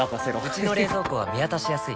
うちの冷蔵庫は見渡しやすい